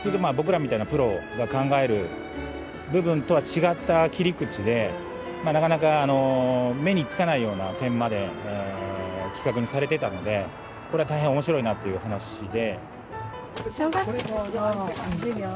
通常僕らみたいなプロが考える部分とは違った切り口でなかなか目につかないような点まで企画にされてたのでこれは大変面白いなという話で。